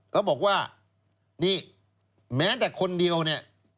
เขาบอกว่านี่แม้แต่คนเดียวเนี่ย